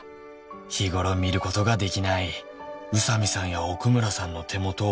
「日頃見ることができない」「宇佐美さんや奥村さんの手元を」